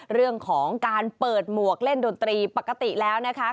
เรื่องของการเปิดหมวกเล่นดนตรีปกติแล้วนะคะ